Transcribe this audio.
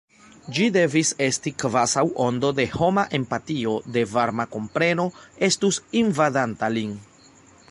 Ĝi devis esti kvazaŭ ondo de homa empatio, de varma kompreno estus invadanta lin.